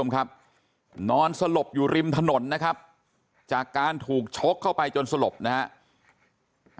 ครับนอนสลบอยู่ริมถนนนะครับจากการถูกชกเข้าไปจนสลบนะครับ